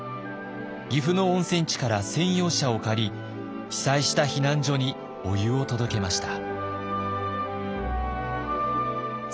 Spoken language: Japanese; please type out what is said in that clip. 岐阜の温泉地から専用車を借り被災した避難所にお湯を届けました。